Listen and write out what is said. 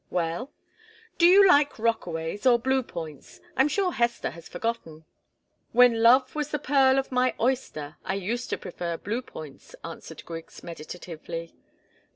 "Well?" "Do you like Rockaways or Blue Points? I'm sure Hester has forgotten." "'When love was the pearl of' my 'oyster,' I used to prefer Blue Points," answered Griggs, meditatively.